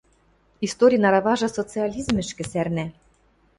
Историн араважы социализмӹшкӹ сӓрнӓ